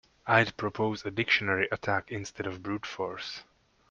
I'd propose a dictionary attack instead of brute force.